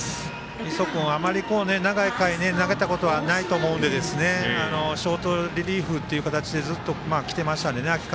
磯君はあまり長い回投げたことないと思いますのでショートリリーフっていう形でずっと秋からもきてたので。